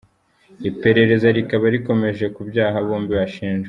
Iperereza rikaba rikomeje ku byaha bombi bashinjwa.